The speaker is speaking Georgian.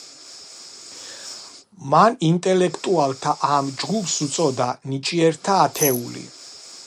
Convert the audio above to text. მან ინტელექტუალთა ამ ჯგუფს უწოდა „ნიჭიერთა ათეული“.